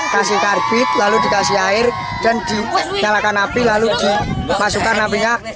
kasih karbit lalu dikasih air dan dinyalakan api lalu dimasukkan apinya